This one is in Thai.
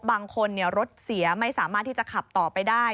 บางคนรถเสียไม่สามารถที่จะขับต่อไปได้